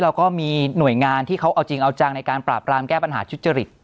เราก็มีหน่วยงานที่เขาเอาจริงเอาจังในการปราบรามแก้ปัญหาทุจริต